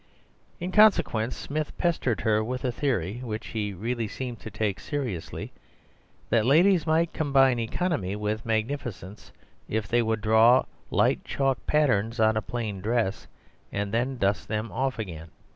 In consequence Smith pestered her with a theory (which he really seemed to take seriously) that ladies might combine economy with magnificence if they would draw light chalk patterns on a plain dress and then dust them off again.